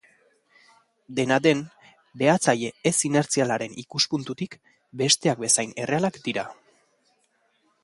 Dena den, behatzaile ez-inertzialaren ikuspuntutik, besteak bezain errealak dira.